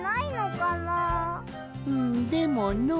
うんでものう。